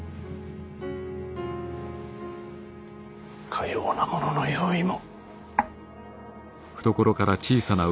かようなものの用意も。